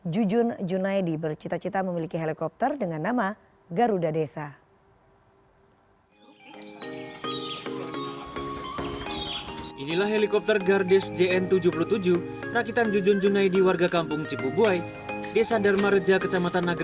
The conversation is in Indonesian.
jujun junaidi bercita cita memiliki helikopter dengan nama garuda desa